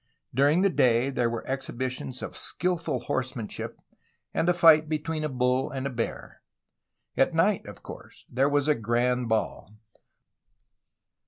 During the day there were exhibitions of skilful horsemanship and a fight between a bull and a bear. At night, of course, there was a grand ball.